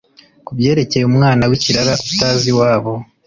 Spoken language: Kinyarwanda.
ku byerekeye umwana w’ikirara utazi iwabo